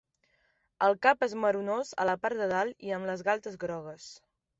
El cap és marronós a la part de dalt i amb les galtes grogues.